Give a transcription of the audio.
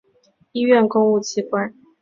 医院公务机关